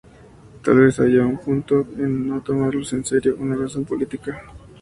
Tal vez haya un punto en no tomarlos en serio, una razón política.